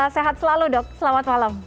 sehat selalu dok selamat malam